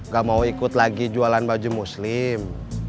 gak mau ikut lagi jualan baju muslim